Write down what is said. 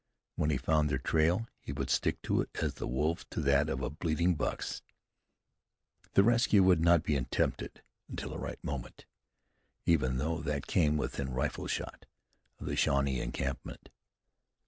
When he found their trail he would stick to it as the wolf to that of a bleeding buck's. The rescue would not be attempted until the right moment, even though that came within rifle shot of the Shawnee encampment.